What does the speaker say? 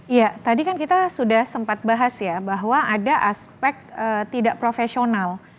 iya tadi kan kita sudah sempat bahas ya bahwa ada aspek tidak profesional